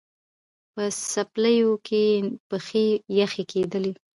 په څپلیو کي یې پښې یخی کېدلې